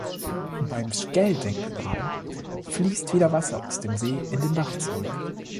Beim Sckell-Denkmal fließt wieder Wasser aus dem See in den Bach zurück.